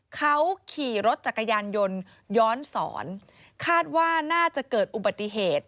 เขาขี่รถจักรยานยนต์ย้อนสอนคาดว่าน่าจะเกิดอุบัติเหตุ